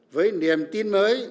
với niềm tin mới